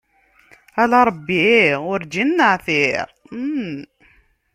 Ala Ṛebbi urǧin neɛtiṛ.